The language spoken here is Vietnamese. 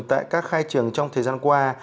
tại các khai trường trong thời gian qua